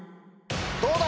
どうだ？